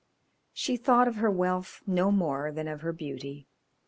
She thought of her wealth no more than of her beauty.